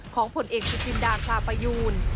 ของผ่อนเอกซินกิมดทราปายูน